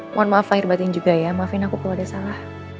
mohon maaf lahir batin juga ya maafin aku kalau ada salah